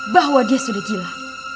bahwa dia sudah gila